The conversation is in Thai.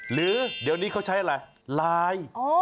หรือเดี๋ยวนี้เขาใช้อะไรไลน์